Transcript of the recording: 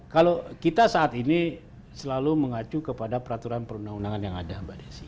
kalau kita saat ini selalu mengacu kepada peraturan perundang undangan yang ada mbak desi